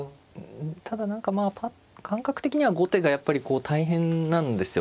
ただ何かまあ感覚的には後手がやっぱり大変なんですよ。